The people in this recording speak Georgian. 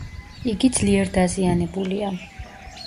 იგი ძლიერ დაზიანებულია.